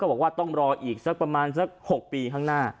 บอกว่าต้องรออีกสักประมาณสัก๖ปีข้างหน้า